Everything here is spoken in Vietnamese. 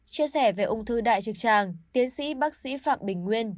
chia sẻ về ung thư đại trực tràng tiến sĩ bác sĩ phạm bình nguyên